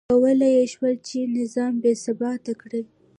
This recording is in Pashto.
کولای یې شول چې نظام بې ثباته کړي.